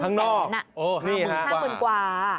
ทั้งนอกนี่ค่ะค่ะค่ะห้าหมื่นห้าหมื่นกว่า